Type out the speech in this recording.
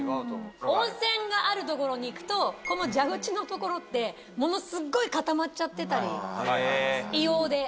温泉がある所に行くとこの蛇口の所ってものすごい固まっちゃってたり硫黄で。